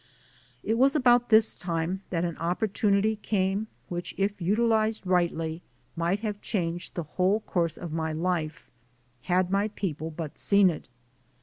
It was about this time that an opportunity came which, if utilized rightly, might have changed the whole course of my life, had my people but seen it.